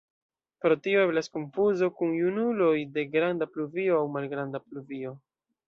Pro tio eblas konfuzo kun junuloj de Granda pluvio aŭ Malgranda pluvio.